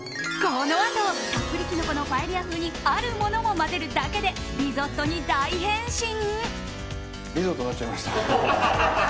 このあとたっぷりキノコのパエリア風にあるものを混ぜるだけでリゾットに大変身？